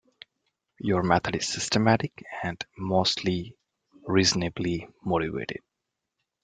Your method is systematic and mostly reasonably motivated.